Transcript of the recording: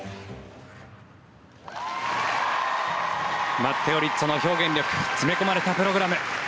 マッテオ・リッツォの表現力が詰め込まれたプログラム。